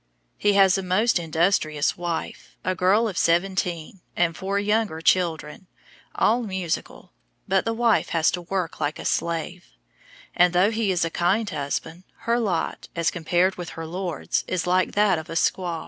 He has a most industrious wife, a girl of seventeen, and four younger children, all musical, but the wife has to work like a slave; and though he is a kind husband, her lot, as compared with her lord's, is like that of a squaw.